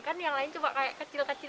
kan yang lain cuma kayak kecil kecil